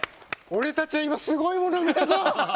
俺たちは今、すごいものを見たぞ！